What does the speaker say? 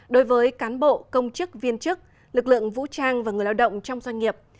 đối với cán bộ công chức viên chức lực lượng vũ trang và người lao động trong doanh nghiệp